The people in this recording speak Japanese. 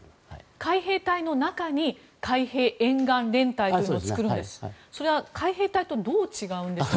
海兵隊の中に海兵沿岸連隊というものを作るんですがそれは海兵隊とどう違うんでしょうか。